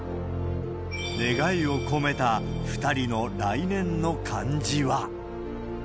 願いを込めた２人の来年の漢字は。